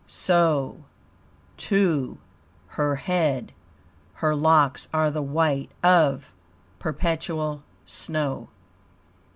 So, too, her head; her locks are the white of perpetual snow.